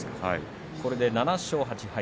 これで７勝８敗